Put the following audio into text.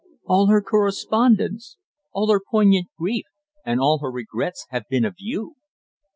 All her correspondence, all her poignant grief, and all her regrets have been of you."